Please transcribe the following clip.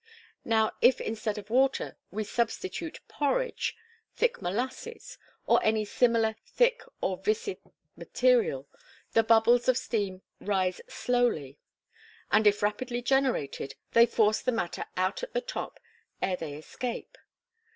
Now, if instead of water, we substitute porridge, thick molasses, or any similar thick or viscid material, the bubbles of steam rise slowly; and if rapidly generated, they force the matter out at the top ere they escape.